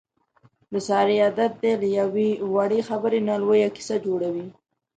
د سارې عادت دی له یوې وړې خبرې نه لویه کیسه جوړوي.